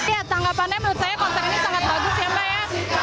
ya tanggapannya menurut saya konter ini sangat bagus ya mbak ya